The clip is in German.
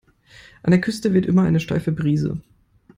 An der Küste weht immer eine steife Brise.